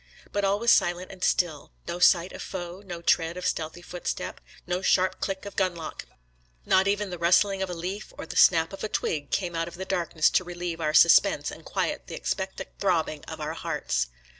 But all was silent and still ; no sight of foe, no tread of stealthy footstep, no sharp click of gunlock — not even the rus tling of a leaf or the snap of a twig came out of the darkness to relieve our suspense and quiet the expectant throbbing of our hearts.